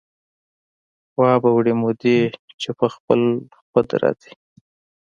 وابه وړي مودې چې په خپل خود را ځي